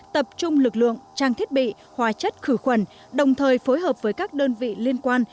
tập trung lực lượng trang thiết bị hóa chất khử khuẩn đồng thời phối hợp với các đơn vị liên quan